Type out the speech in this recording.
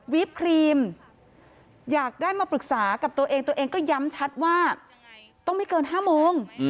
ปครีมอยากได้มาปรึกษากับตัวเองตัวเองก็ย้ำชัดว่าต้องไม่เกิน๕โมง